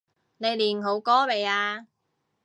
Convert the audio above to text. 你練好歌未呀？